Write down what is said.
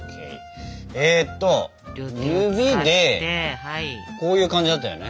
えっと指でこういう感じだったよね。